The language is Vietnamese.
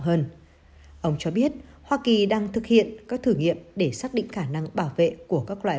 hơn ông cho biết hoa kỳ đang thực hiện các thử nghiệm để xác định khả năng bảo vệ của các loại